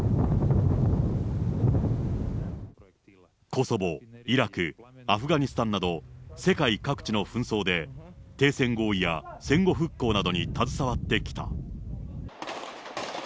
コソボ、イラク、アフガニスタンなど、世界各地の紛争で、停戦合意や戦後復興などに携わってきた。